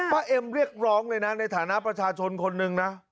ป้าเอมเรียกร้องเลยในฐานะประชาชนคนนึงนะ